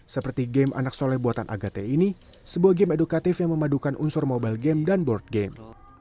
seperti game anak soleh buatan agate ini sebuah game edukatif yang memadukan unsur mobile game dan board game